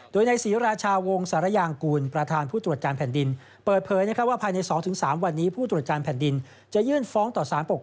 โดยในศรีราชาวงศรยางกูลประธานผู้ตรวจการแผ่นดินเปิดเผยว่าภายใน๒๓วันนี้ผู้ตรวจการแผ่นดินจะยื่นฟ้องต่อสารปก